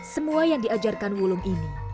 semua yang diajarkan wulung ini